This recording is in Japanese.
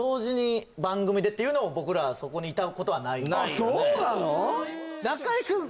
あっそうなの？